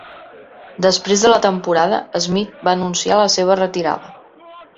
Després de la temporada, Smith va anunciar la seva retirada.